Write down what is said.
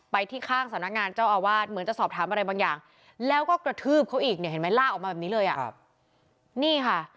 ไปที่ข้างสำนักงานเจ้าอาวาสเหมือนจะสอบถามอะไรบางอย่างแล้วก็กระทืบเขาอีกลากออกมาแบบนี้เลย